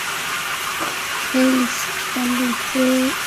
হেই, Sally, কোনো উদ্ভট কিছু চোখে পড়লো?